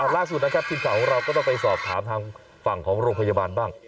ล่าสุดนะครับทีมข่าวของเราก็ต้องไปสอบถามทางฝั่งของโรงพยาบาลบ้าง